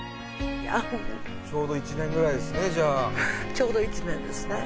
ちょうど１年ですね。